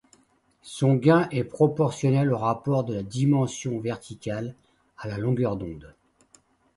Son gain est proportionnel au rapport de la dimension verticale à la longueur d'onde.